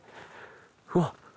うわっ！